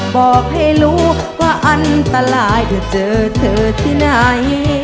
บอกให้รู้ว่าอันตรายเธอเจอเธอที่ไหน